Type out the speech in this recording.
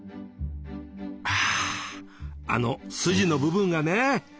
はあのスジの部分がね